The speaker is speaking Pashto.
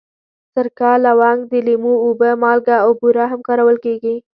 سرکه، لونګ، د لیمو اوبه، مالګه او بوره هم کارول کېږي.